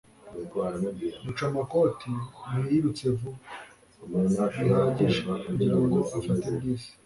Rucamakoti ntiyirutse vuba bihagije kugirango afate bisi